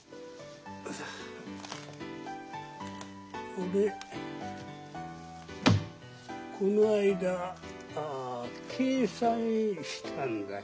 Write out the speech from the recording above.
俺この間計算したんだよ。